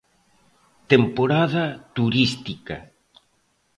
Temporada turística.